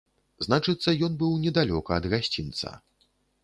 Значыцца, ён быў недалёка ад гасцінца.